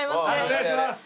お願いします。